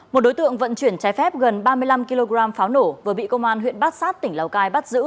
một đối tượng vận chuyển trái phép gần ba mươi năm kg pháo nổ vừa bị công an huyện bát sát tỉnh lào cai bắt giữ